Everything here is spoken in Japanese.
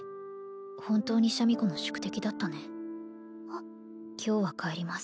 本当にシャミ子の宿敵だったね今日は帰ります